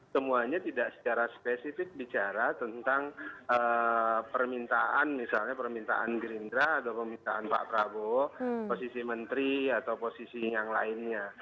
semuanya tidak secara spesifik bicara tentang permintaan misalnya permintaan gerindra atau permintaan pak prabowo posisi menteri atau posisi yang lainnya